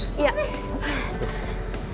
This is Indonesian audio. mendadak amat sih